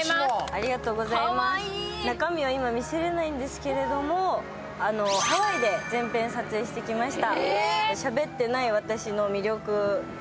中身は今見せられないんですけれども、全編ハワイで撮影してきました。